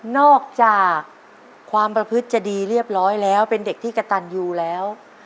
นอกจากความประพฤติจะดีเรียบร้อยแล้วเป็นเด็กที่กระตันอยู่แล้ว